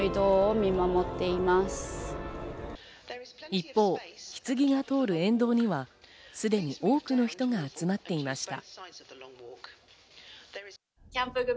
一方、ひつぎが通る沿道にはすでに多くの人が集まっていました。